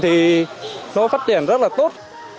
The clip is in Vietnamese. thì nó phát triển rất là tốt